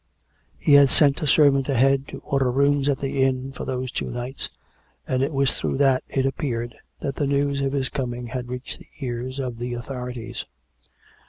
He had sent a servant ahead to order rooms at the inn for those two nights, and it was through that, it appeared, that the news of his coming had reached the ears of the authorities.